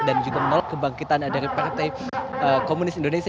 juga menolak kebangkitan dari partai komunis indonesia